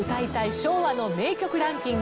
昭和の名曲ランキング